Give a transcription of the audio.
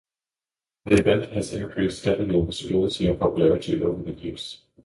The event has increased steadily in visibility and popularity over the years.